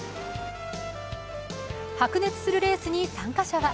白熱するレースに参加者は